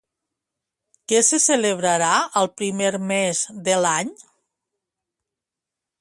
Què se celebrarà al primer mes de l'any?